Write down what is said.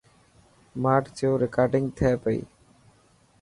ماٺ ٿيو رڪارڊنگ ٿي پئي.